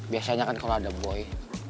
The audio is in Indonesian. biasanya kan kalau ada boy